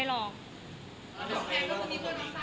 มีแค่เมื่อกี๊